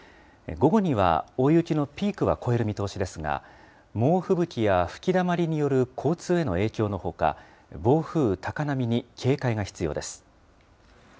午後には大雪のピークは越える見通しですが、猛吹雪や吹きだまりによる交通への影響のほか、暴風、高波に警戒が必要です。